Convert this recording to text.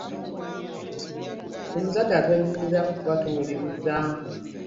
Buli muzadde atwenyumirizaamu kuba tuwuliriza.